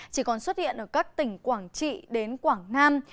chỉ còn xuất hiện ở các tỉnh quảng trị đến quảng nam